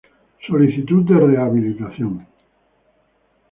Solicitud de rehabilitación.